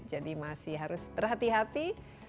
jadi masih harus berhati hati